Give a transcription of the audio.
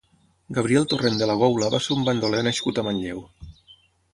Gabriel Torrent de la Goula va ser un bandoler nascut a Manlleu.